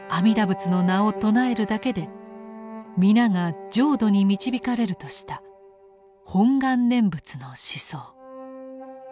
仏の名を称えるだけで皆が浄土に導かれるとした「本願念仏」の思想。